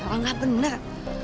orang nggak bener